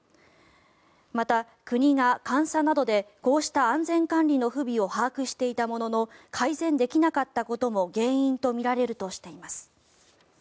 また、国が監査などでこうした安全管理の不備を把握していたものの改善できなかったことも原因とみられるとしています。